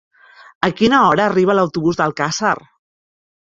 A quina hora arriba l'autobús d'Alcàsser?